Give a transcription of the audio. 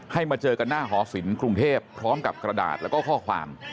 มาเจอกันหน้าหอศิลปกรุงเทพพร้อมกับกระดาษแล้วก็ข้อความ